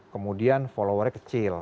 kemudian followernya kecil